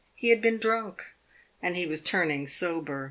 He had been drunk and he was turning sober.